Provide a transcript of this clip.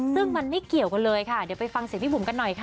ซึ่งมันไม่เกี่ยวกันเลยค่ะเดี๋ยวไปฟังเสียงพี่บุ๋มกันหน่อยค่ะ